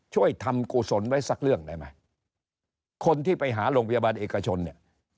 ช่วยทำกุศลไว้สักเรื่องได้ไหมคนที่ไปหาโรงพยาบาลเอกชนเนี่ย